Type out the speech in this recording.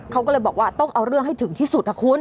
เขาก็เลยบอกว่าต้องเอาเรื่องให้ถึงที่สุดนะคุณ